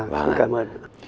vâng cảm ơn